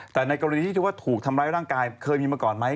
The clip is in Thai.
แต่ในกรณีที่ว่าถูกทำร้ายร่างกายเคยมีมาก่อนไหม